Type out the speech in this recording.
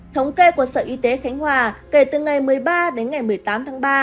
thống kê của sở y tế khánh hòa kể từ ngày một mươi ba đến ngày một mươi tám tháng ba